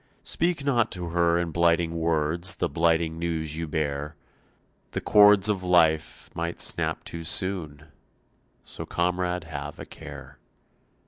"Speak not to her in blighting words The blighting news you bear, The cords of life might snap too soon, So, comrade, have a care.